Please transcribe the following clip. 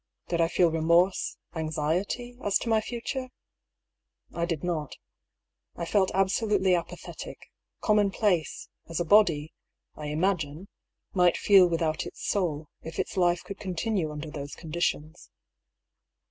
Did I feel remorse, anxiety, as to my future ? I did not. I felt absolutely apathetic, commonplace, as a body, I imagine, might feel without its soul, if its life could continue under those conditions.